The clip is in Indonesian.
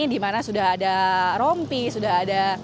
di mana sudah ada rompi sudah ada